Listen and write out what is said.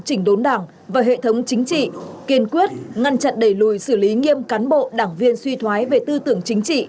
chỉnh đốn đảng và hệ thống chính trị kiên quyết ngăn chặn đẩy lùi xử lý nghiêm cán bộ đảng viên suy thoái về tư tưởng chính trị